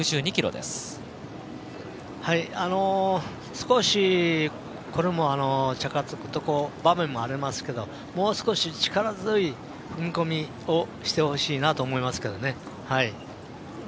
少しこれもチャカつく場面もありますけどもう少し力強い踏み込みをしてほしいなと思いますけどね。